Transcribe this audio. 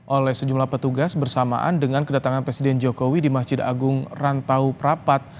oleh sejumlah petugas bersamaan dengan kedatangan presiden jokowi di masjid agung rantau prapat